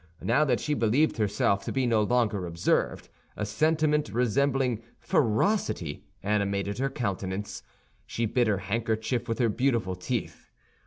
Now that she believed herself to be no longer observed, a sentiment resembling ferocity animated her countenance. She bit her handkerchief with her beautiful teeth.